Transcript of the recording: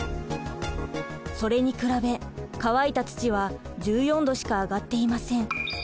それに比べ乾いた土は１４℃しか上がっていません。